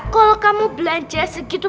kalau kamu belanja segitu